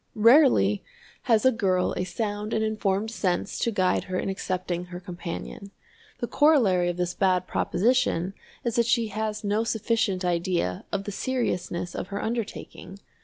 Rarely has a girl a sound and informed sense to guide her in accepting her companion. The corollary of this bad proposition is that she has no sufficient idea of the seriousness of her undertaking.